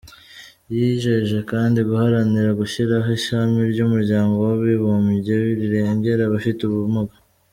Yijeje kandi guharanira gushyiraho ishami ry’umuryango w’abibumbye rirengera abafite ubumuga.